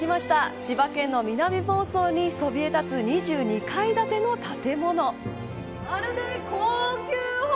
千葉県の南房総に、そびえ立つ２２階建ての建物。